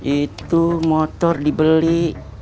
itu motor dibeli